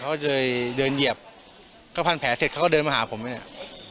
เขาเลยเดินเหยียบก็พันแผลเสร็จเขาก็เดินมาหาผมไหมเนี่ย